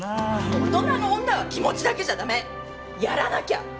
大人の女は気持ちだけじゃ駄目！やらなきゃ！